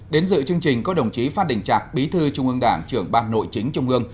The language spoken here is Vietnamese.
đến dự chương trình có đồng chí phát đình trạc bí thư trung ương đảng trưởng ban nội chính trung ương